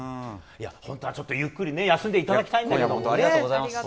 本当はゆっくり休んでいただきたいんですけど。